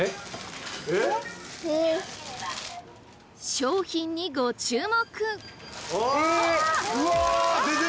商品にご注目！